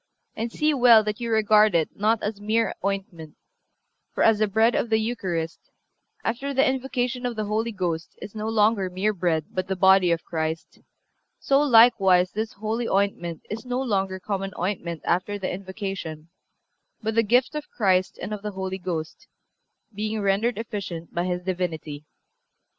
And see well that you regard it not as mere ointment; for, as the bread of the Eucharist, after the invocation of the Holy Ghost, is no longer mere bread but the body of Christ, so likewise this holy ointment is no longer common ointment after the invocation, but the gift of Christ and of the Holy Ghost, being rendered efficient by His Divinity.